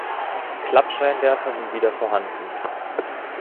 Klappscheinwerfer sind wieder vorhanden.